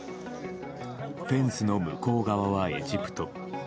フェンスの向こう側はエジプト。